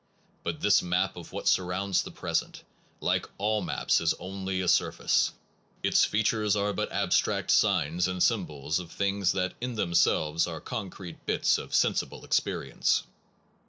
But this map of what surrounds the present, like all maps, is only a surface; its features are but abstract signs and symbols of things that in themselves are concrete bits of sensible experi ence.